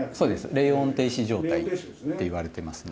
冷温停止状態といわれてますね。